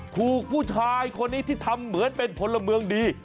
ถูกผู้ชายคนนี้ที่ทำเหมือนเป็นพลเมืองดี